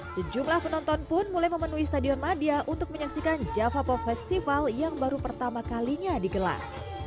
sejumlah penonton pun mulai memenuhi stadion madia untuk menyaksikan java pop festival yang baru pertama kalinya digelar